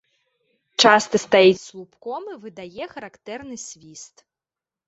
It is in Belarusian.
Часта стаіць слупком і выдае характэрны свіст.